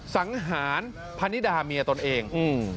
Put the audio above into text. สังหารพนิดาเมียตนเอง